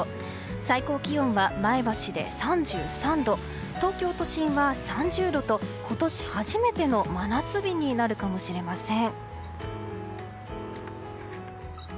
最高気温は、前橋で３３度東京都心は３０度と今年初めての真夏日になるかもしれません。